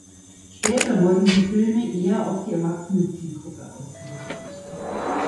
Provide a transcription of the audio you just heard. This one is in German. Später wurden die Filme eher auf die erwachsene Zielgruppe ausgerichtet.